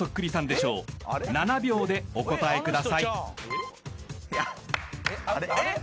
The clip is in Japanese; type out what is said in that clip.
［７秒でお答えください］えっ？